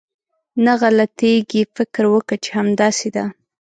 نه غلطېږي، فکر وکه چې همداسې ده.